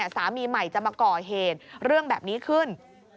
สามีใหม่จะมาก่อเหตุเรื่องแบบนี้ขึ้น